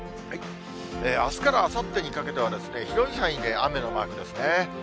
あすからあさってにかけては、広い範囲で雨のマークですね。